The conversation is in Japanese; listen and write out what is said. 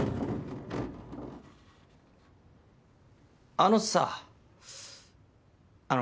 ・あのさあの。